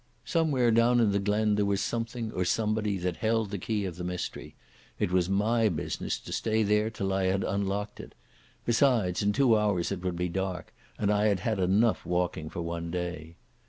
Somewhere down in the glen there was something or somebody that held the key of the mystery. It was my business to stay there till I had unlocked it. Besides, in two hours it would be dark, and I had had enough walking for one day.